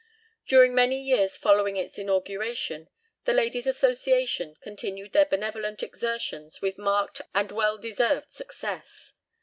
During many years following its inauguration, the "Ladies' Association" continued their benevolent exertions with marked and well deserved success.